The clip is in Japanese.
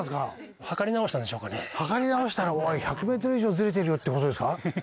測り直したら、１００ｍ以上ずれてるよって事ですか？